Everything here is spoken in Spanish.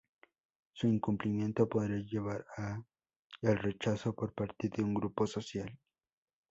Su incumplimiento podría llevar a el rechazo por parte de un grupo social.